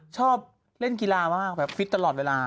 ชอบเล่นกีฬามากแบบฟิตตลอดเวลา